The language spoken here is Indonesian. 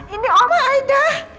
ini oma aida